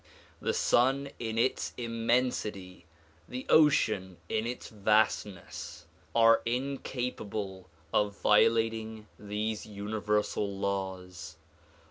The sun in its immensity, the ocean in its vastness are incapable of violating these universal laws.